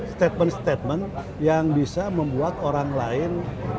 statement statement yang bisa membuat orang lain